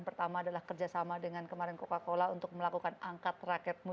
pertama adalah kerjasama dengan kemarin coca cola untuk melakukan angkat rakyatmu